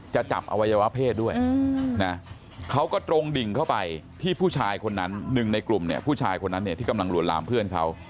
จับอวัยวะเพศด้วยนะเขาก็ตรงดิ่งเข้าไปที่ผู้ชายคนนั้นหนึ่งในกลุ่มเนี่ยผู้ชายคนนั้นเนี่ยที่กำลังหลวนลามเพื่อนเขา